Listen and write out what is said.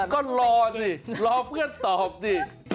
ก็รอสิรอเพื่อนตอบสิ